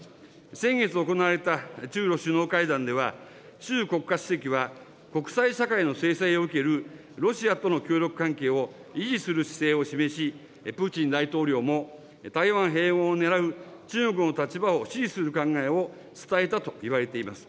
先月行われた中ロ首脳会談では、習国家主席は、国際社会の制裁を受けるロシアとの協力関係を維持する姿勢を示し、プーチン大統領も台湾併合をねらう中国の立場を支持する考えを伝えたといわれています。